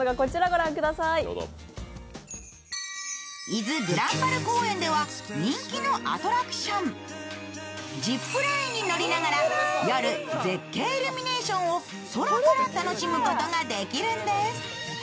伊豆ぐらんぱる公園では人気のアトラクション、ジップラインに乗りながら夜、絶景イルミネーションを空から楽しむことができるんです。